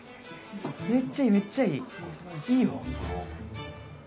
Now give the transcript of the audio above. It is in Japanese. めっちゃいいめっちゃいい。いいよ。